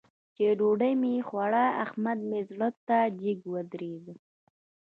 چې ډوډۍ مې خوړه؛ احمد مې زړه ته جګ ودرېد.